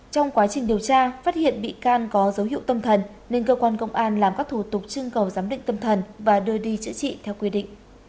trong quá trình điều tra phát hiện bị can có dấu hiệu tâm thần nên cơ quan công an làm các thủ tục trưng cầu giám định tâm thần và đưa đi chữa trị theo quy định